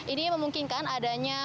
ini memungkinkan adanya